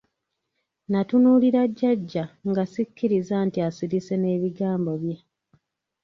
Natunuulira jjajja nga sikikkiriza nti asirise n'ebigambo bye.